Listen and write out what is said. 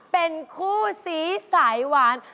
เป็นคู่สีสายหวาน